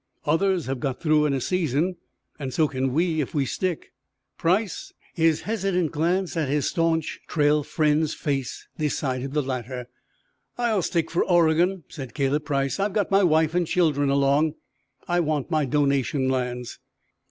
Others have got through in a season, and so can we if we stick. Price?" His hesitant glance at his staunch trail friend's face decided the latter. "I'll stick for Oregon!" said Caleb Price. "I've got my wife and children along. I want my donation lands."